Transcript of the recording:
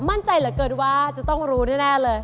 มั่นใจเหลือเกินว่าจะต้องรู้แน่เลย